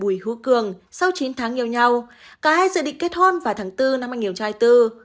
bùi hú cường sau chín tháng yêu nhau cả hai dự định kết hôn vào tháng bốn năm anh hiểu trai tư